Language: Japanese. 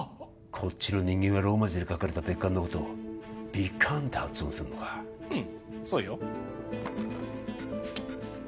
こっちの人間はローマ字で書かれた別館のことをヴィカァンって発音するのかうんそうよ